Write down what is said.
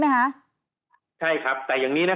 ทางประกันสังคมก็จะสามารถเข้าไปช่วยจ่ายเงินสมทบให้๖๒